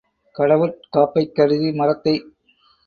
கடவுட் காப்பைக் கருதி, “மரத்தை